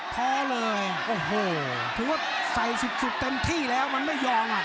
พอเลยถือว่าใส่สุดเต็มที่แล้วมันไม่ยอม